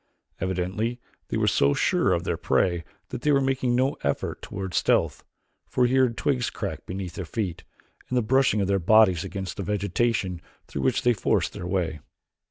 Evidently they were so sure of their prey that they were making no effort toward stealth, for he heard twigs crack beneath their feet, and the brushing of their bodies against the vegetation through which they forced their way.